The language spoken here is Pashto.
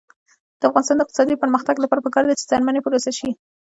د افغانستان د اقتصادي پرمختګ لپاره پکار ده چې څرمنې پروسس شي.